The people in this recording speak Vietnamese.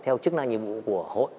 theo chức năng nhiệm vụ của hội